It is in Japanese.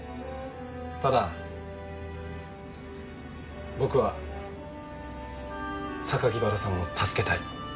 ただ僕は榊原さんを助けたい。